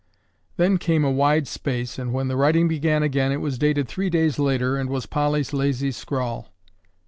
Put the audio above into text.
Then came a wide space and when the writing began again, it was dated three days later and was Polly's lazy scrawl.